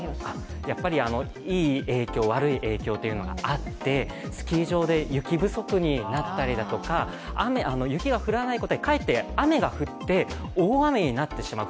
やっぱりいい影響、悪い影響というのがあって、スキー場で雪不足になったりとか雪が降らないことでかえって雨が降って、大雨になってしまう。